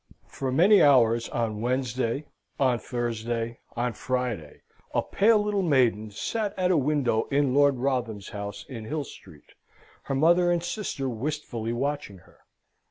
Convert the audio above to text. For many hours on Wednesday, on Thursday, on Friday, a pale little maiden sate at a window in Lord Wrotham's house, in Hill Street, her mother and sister wistfully watching her.